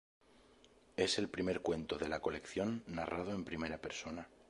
Es el primer cuento de la colección narrado en primera persona.